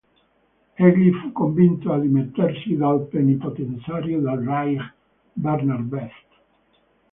Egli fu convinto a dimettersi dal plenipotenziario del Reich Werner Best.